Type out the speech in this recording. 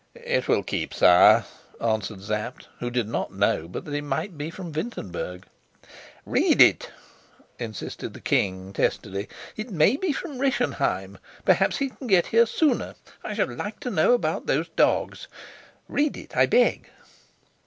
"It will keep, sire," answered Sapt, who did not know but that it might be from Wintenberg. "Read it," insisted the king testily. "It may be from Rischenheim. Perhaps he can get here sooner. I should like to know about those dogs. Read it, I beg."